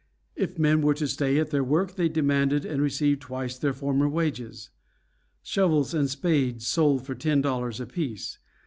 If men were to stay at their work they demanded and received twice their former wages. Shovels and spades sold for ten dollars apiece.